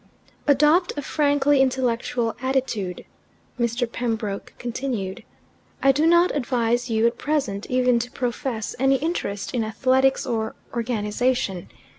"Adopt a frankly intellectual attitude," Mr. Pembroke continued. "I do not advise you at present even to profess any interest in athletics or organization.